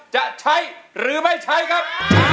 จะใช้หรือไม่ใช้ครับ